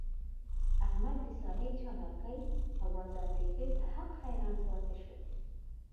احمد د سارې چالاکی او بازار تېزۍ ته حق حیران پاتې شو.